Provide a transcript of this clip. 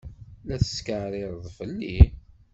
La tetkeɛrireḍ fell-i?